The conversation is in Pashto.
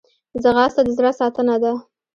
ځغاسته د زړه ساتنه ده